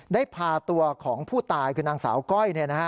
ได้พาตัวของผู้ตายคือนางสาวก้อย